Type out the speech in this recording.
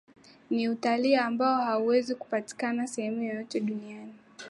Ni utalii ambao hauwezi kupatikana sehemu yoyote duniani